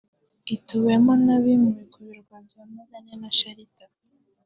ituwemo n’abimuwe ku birwa bya Mazane na Sharita